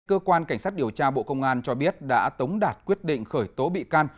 cơ quan cảnh sát điều tra bộ công an cho biết đã tống đạt quyết định khởi tố bị can